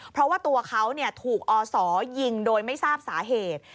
เพราะว่าตัวเขาถูกอศยิงโดยไม่ทราบสาเหตุ